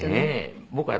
えっ！